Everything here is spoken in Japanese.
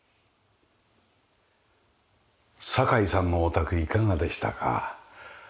堺さんのお宅いかがでしたか？